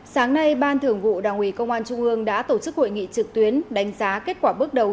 sáng nay ban thường vụ đảng ủy công an trung ương đã tổ chức hội nghị trực tuyến đánh giá kết quả bước đầu